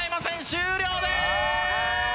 終了です！